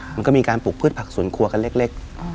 มันก็มีการปลูกพืชผักสวนครัวกันเล็ก